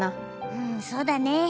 うんそうだね。